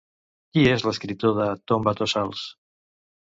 Qui és l'escriptor de Tombatossals?